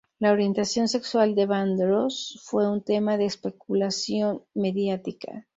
La orientación sexual de Vandross fue un tema de especulación mediática.